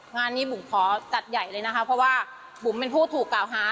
งานนี้บุ๋มขอจัดใหญ่เลยนะคะเพราะว่าบุ๋มเป็นผู้ถูกกล่าวหา